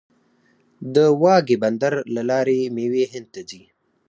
د واګې بندر له لارې میوې هند ته ځي.